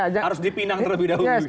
harus dipinang terlebih dahulu